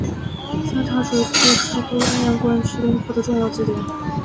三岔水库是都江堰灌区东扩的重要节点。